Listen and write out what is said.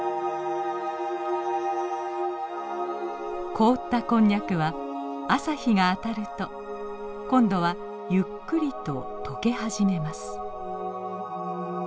凍ったこんにゃくは朝日が当たると今度はゆっくりと溶け始めます。